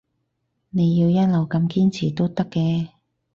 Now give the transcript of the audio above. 你要一路咁堅持都得嘅